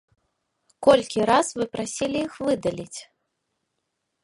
Колькі раз вы прасілі іх выдаліць?